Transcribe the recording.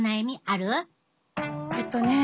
えっとね